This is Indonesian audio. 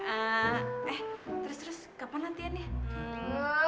eh terus terus kapan latihannya